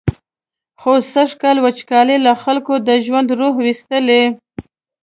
خو سږکال وچکالۍ له خلکو د ژوند روح ویستلی.